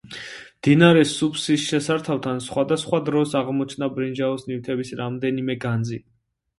მდინარე სუფსის შესართავთან სხვადასხვა დროს აღმოჩნდა ბრინჯაოს ნივთების რამდენიმე განძი.